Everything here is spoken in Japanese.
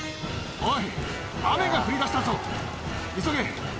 おい！